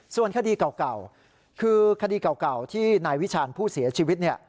ส่วนคดีเก่าคือคดีเก่าที่นายวิชาญผู้เสียชีวิต